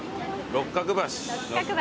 六角橋。